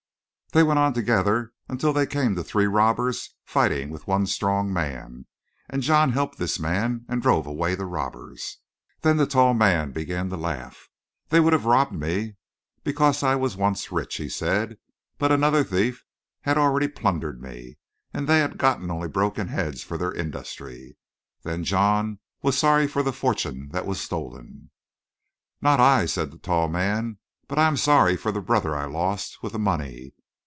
"They went on together until they came to three robbers fighting with one strong man, and John helped this man and drove away the robbers. "Then the tall man began to laugh. 'They would have robbed me because I was once rich,' he said, 'but another thief had already plundered me, and they have gotten only broken heads for their industry.' Then John was sorry for the fortune that was stolen. "'Not I,' said the tall man, 'but I am sorry for the brother I lost with the money.'